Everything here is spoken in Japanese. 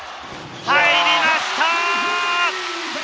入りました！